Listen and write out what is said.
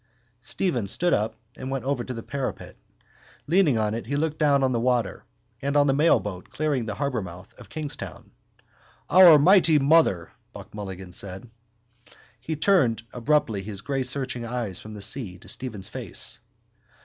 Stephen stood up and went over to the parapet. Leaning on it he looked down on the water and on the mailboat clearing the harbourmouth of Kingstown. —Our mighty mother! Buck Mulligan said. He turned abruptly his grey searching eyes from the sea to Stephen's face.